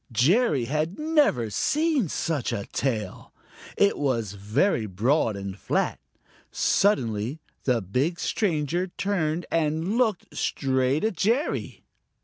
Jerry had never seen such a tail. It was very broad and flat. Suddenly the big stranger turned and looked straight at Jerry.